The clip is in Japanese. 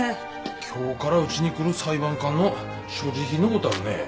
今日からうちに来る裁判官の所持品のごたるね。